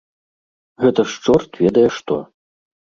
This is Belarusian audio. Гэта ж чорт ведае што!